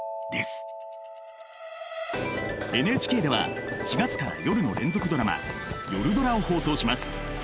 ＮＨＫでは４月から夜の連続ドラマ「夜ドラ」を放送します。